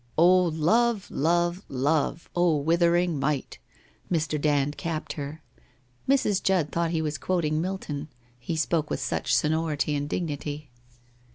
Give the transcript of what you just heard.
' '"0, Love, Love, Love! withering might!"' Mr. Dand capped her. Mrs. Judd thought he was quoting Mil ton, he spoke with such sonority and dignity.